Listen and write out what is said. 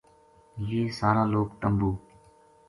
یہ سارا لوک تمبو